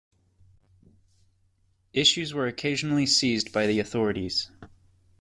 Issues were occasionally seized by the authorities.